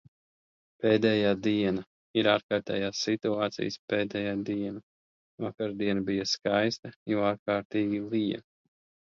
Pēdējā diena. Ir ārkārtējās situācijas pēdējā diena. Vakardiena bija skaista, jo ārkārtīgi lija.